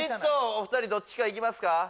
お二人どっちかいきますか？